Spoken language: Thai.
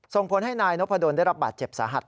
ส่งผลให้นายนพดลได้รับบาดเจ็บสาหัส